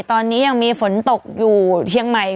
ตอนนี้ยังมีฝนตกอยู่เชียงใหม่